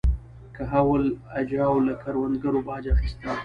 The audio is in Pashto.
کهول اجاو له کروندګرو باج اخیسته.